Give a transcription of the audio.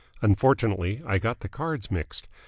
Unfortunately I got the cards mixed.